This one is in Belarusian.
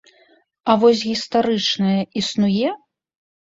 А вось гістарычная існуе?